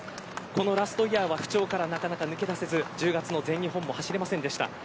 ラストイヤーは不調から抜け出せず、１０月の全日本も走れませんでした。